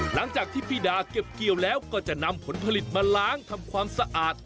หลังจากที่พี่ดาเก็บเกี่ยวแล้วก็จะนำผลผลิตมาล้างทำความสะอาด